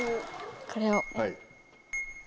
これを。